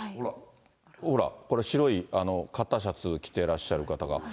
ほら、これ、白いシャツ着てらっしゃる方が。